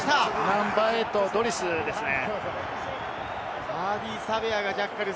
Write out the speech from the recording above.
ナンバー８のドリスですね。